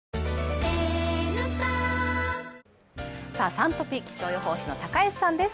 「Ｓｕｎトピ」、気象予報士の高安さんです。